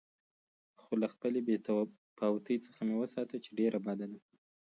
خو له خپلې بې تفاوتۍ څخه مې وساته چې ډېره بده ده.